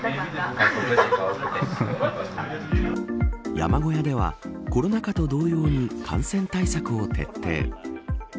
山小屋ではコロナ禍と同様に感染対策を徹底。